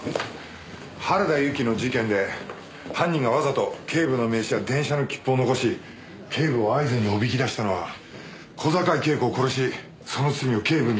原田由紀の事件で犯人がわざと警部の名刺や電車の切符を残し警部を会津におびき出したのは小坂井恵子を殺しその罪を警部に着せるためだった。